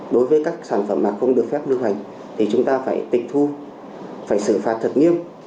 đối với các sản phẩm mà không được phép lưu hành thì chúng ta phải tịch thu phải xử phạt thật nghiêm